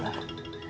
saya tadi malam itu